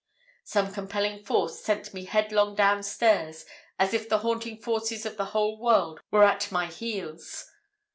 "Some compelling force sent me headlong downstairs as if the haunting forces of the whole world were at my heels.